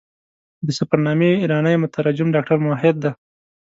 د سفرنامې ایرانی مترجم ډاکټر موحد دی.